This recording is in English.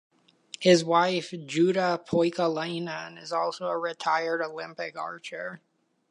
His wife Jutta Poikolainen is also a retired Olympic archer.